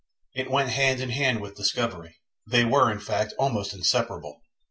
It went hand in hand with discovery, they were in fact almost inseparable.